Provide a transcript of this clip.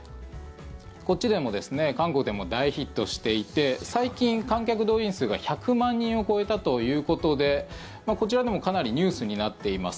こっちでも、韓国でも大ヒットしていて最近、観客動員数が１００万人を超えたということでこちらでもかなりニュースになっています。